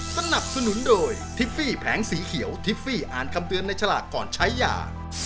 สนับสนุนโดยทิฟฟี่แผงสีเขียวทิฟฟี่อ่านคำเตือนในฉลากก่อนใช้ยา